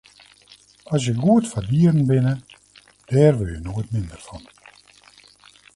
As je goed foar dieren binne, dêr wurde je noait minder fan.